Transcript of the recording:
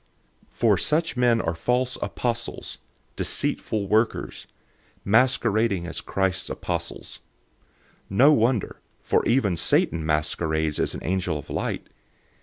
011:013 For such men are false apostles, deceitful workers, masquerading as Christ's apostles. 011:014 And no wonder, for even Satan masquerades as an angel of light.